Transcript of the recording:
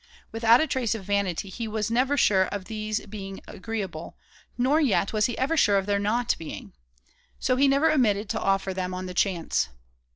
Without a trace of vanity, he was never sure of these being agreeable; nor yet was he ever sure of their not being. So he never omitted to offer them on the chance.